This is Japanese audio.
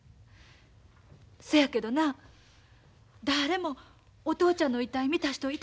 そやけどな誰もお父ちゃんの遺体見た人いてはらへんのやろ？